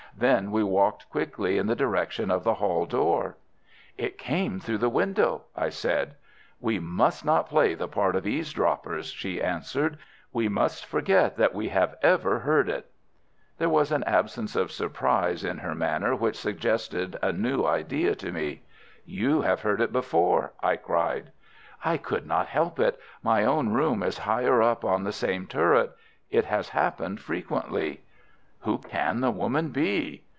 Then we walked quickly in the direction of the hall door. "It came through the window," I said. "We must not play the part of eavesdroppers," she answered. "We must forget that we have ever heard it." There was an absence of surprise in her manner which suggested a new idea to me. "You have heard it before," I cried. "I could not help it. My own room is higher up on the same turret. It has happened frequently." "Who can the woman be?"